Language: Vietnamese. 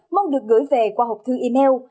mong được gửi về qua hộp thư email